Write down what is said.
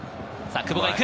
久保が行く。